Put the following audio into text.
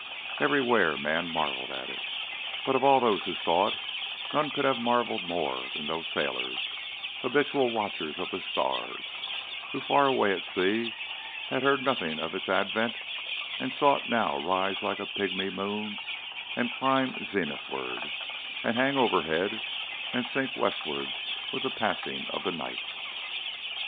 Everywhere men marvelled at it, but of all those who saw it none could have marvelled more than those sailors, habitual watchers of the stars, who far away at sea had heard nothing of its advent and saw it now rise like a pigmy moon and climb zenithward and hang overhead and sink westward with the passing of the night.